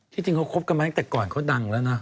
จริงเขาคบกันมาตั้งแต่ก่อนเขาดังแล้วนะ